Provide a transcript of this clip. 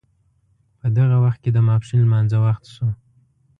په دغه وخت کې د ماپښین لمانځه وخت شو.